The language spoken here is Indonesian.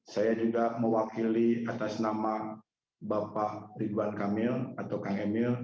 saya juga mewakili atas nama bapak ridwan kamil atau kang emil